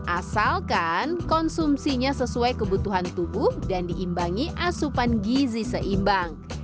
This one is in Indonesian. asalkan konsumsinya sesuai kebutuhan tubuh dan diimbangi asupan gizi seimbang